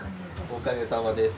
おかげさまです。